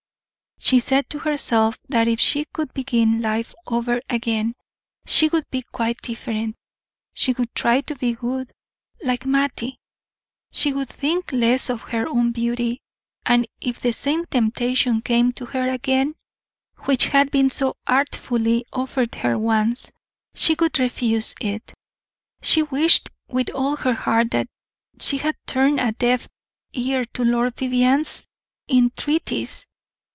She said to herself that if she could begin life over again she would be quite different; she would try to be good, like Mattie; she would think less of her own beauty; and if the same temptation came to her again, which had been so artfully offered her once, she would refuse it. She wished with all her heart that she had turned a deaf ear to Lord Vivianne's entreaties.